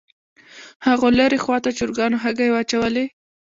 هاغو لرې خوا ته چرګانو هګۍ واچولې